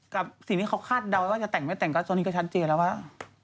กับสิ่งที่เขาคาดเดาว่าจะแต่งไม่แต่งก็ตอนนี้ก็ชัดเจนแล้วว่า